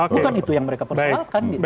bukan itu yang mereka persoalkan gitu